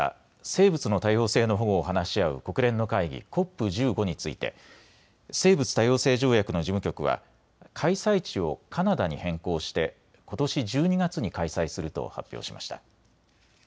生物の多様性の保護を話し合う国連の会議、ＣＯＰ１５について生物多様性条約の事務局は開催地をカナダに変更してことし１２月に開催すると発表しました。